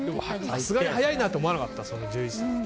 さすがに早いなって思わなかった？